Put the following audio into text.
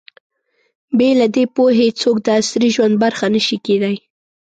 بې له دې پوهې، څوک د عصري ژوند برخه نه شي کېدای.